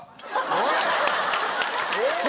おい！